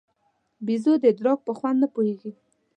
بېزو د ادرک په خوند نه پوهېږي.